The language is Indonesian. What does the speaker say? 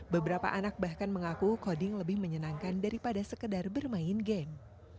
beberapa anak bahkan mengaku coding lebih menyenangkan daripada sekedar bermain game